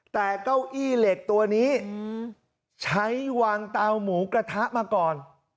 แต่เก้าอี้เหล็กตัวนี้ใช้วางเตาหมูกระทะมาก่อน